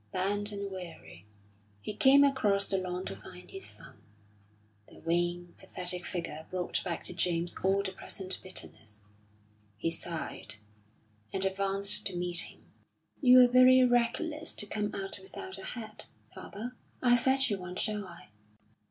Bent and weary, he came across the lawn to find his son. The wan, pathetic figure brought back to James all the present bitterness. He sighed, and advanced to meet him. "You're very reckless to come out without a hat, father. I'll fetch you one, shall I?"